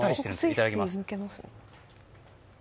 いただきます。